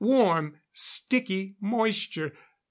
Warm, sticky moisture